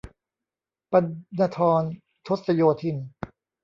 ปัณณธร ทศโยธิน